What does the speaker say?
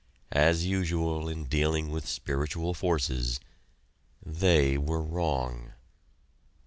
As usual in dealing with spiritual forces, they were wrong!